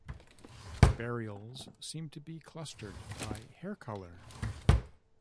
Burials seem to be clustered by hair-colour.